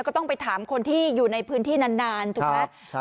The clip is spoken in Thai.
ก็ต้องไปถามคนที่อยู่ในพื้นที่นานถูกไหม